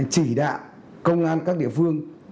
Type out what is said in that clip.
chỉ đạo công an các địa phương